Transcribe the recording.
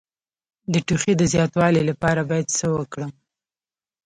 د ټوخي د زیاتوالي لپاره باید څه وکړم؟